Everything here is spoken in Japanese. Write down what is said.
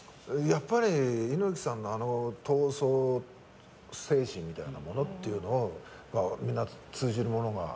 やっぱり猪木さんのあの闘争精神みたいなものっていうのはみんな通じるものが。